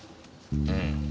うん。